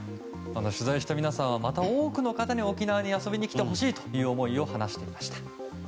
取材した皆さん多くの方に沖縄に遊びに来てほしいという思いを話していました。